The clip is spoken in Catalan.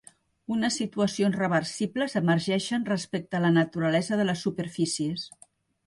Unes situacions reversibles emergeixen respecte a la naturalesa de les superfícies.